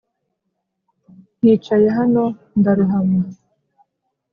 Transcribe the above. nkicaye hano ndarohama